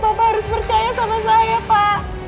bapak harus percaya sama saya pak